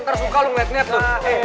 tersuka lo ngeliat liat tuh